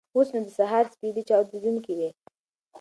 اوس نو د سهار سپېدې چاودېدونکې وې.